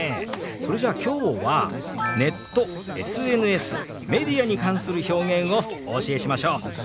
それじゃあ今日はネット・ＳＮＳ・メディアに関する表現をお教えしましょう！